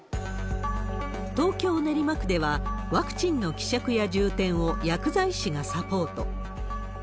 東京・練馬区では、ワクチンの希釈や充填を薬剤師がサポート。